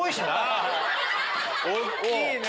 大っきいね。